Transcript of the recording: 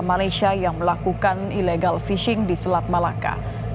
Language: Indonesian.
malaysia yang melakukan illegal fishing di selat malaka